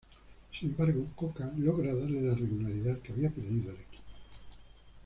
Sin embargo, Cocca logra darle la regularidad que había perdido el equipo.